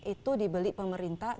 itu dibeli pemerintah